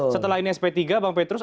setelah ini sp tiga bang petrus